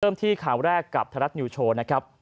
ที่ข่าวแรกกับไทยรัฐนิวโชว์นะครับ